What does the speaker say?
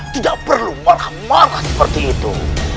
tidak perlu marah marah seperti itu